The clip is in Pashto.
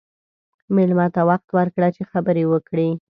مېلمه ته وخت ورکړه چې خبرې وکړي.